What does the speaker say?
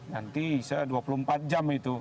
nanti saya dua puluh empat jam itu